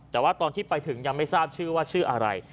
แต่ว่าตอนที่ไปถึงยังไม่ทราบชื่อว่าชื่ออะไร